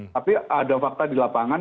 tapi ada fakta di lapangan